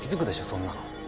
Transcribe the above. そんなの。